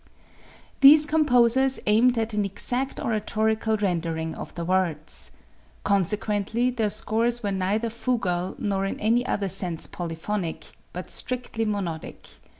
These composers aimed at an exact oratorical rendering of the words. Consequently, their scores were neither fugal nor in any other sense polyphonic, but strictly monodic.